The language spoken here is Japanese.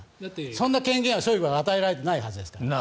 そんな権限はショイグは与えられていないはずですから。